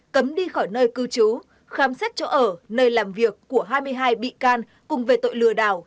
cấm đi khỏi nơi cư trú khám xét chỗ ở nơi làm việc của hai mươi hai bị can cùng về tội lừa đảo